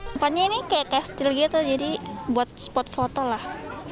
tempatnya ini kayak castle gitu jadi buat spot foto lah